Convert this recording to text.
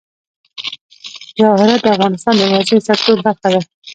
جواهرات د افغانستان د انرژۍ سکتور برخه ده.